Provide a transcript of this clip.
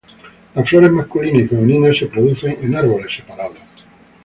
Las flores masculinas y femeninas se producen en árboles separados.